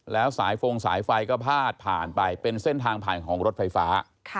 แล้วสายฟงสายไฟก็พาดผ่านไปเป็นเส้นทางผ่านของรถไฟฟ้า